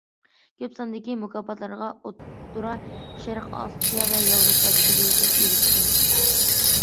كۆپ ساندىكى مۇكاپاتلارغا ئوتتۇرا شەرق، ئاسىيا ۋە ياۋروپادىكى دۆلەتلەر ئېرىشكەن.